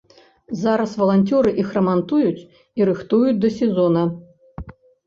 Зараз валанцёры іх рамантуюць і рыхтуюць да сезона.